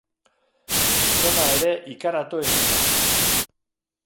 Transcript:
Gizona ere ikaratu egin da.